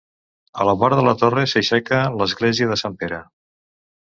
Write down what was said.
A la vora de la torre s'aixeca l'església de Sant Pere.